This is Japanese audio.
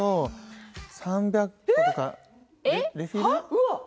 うわっ！